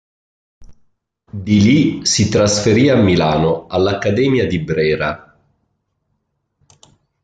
Di lì si trasferì a Milano, all'Accademia di Brera.